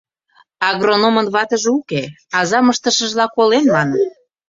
Агрономын ватыже уке, азам ыштышыжла колен, маныт.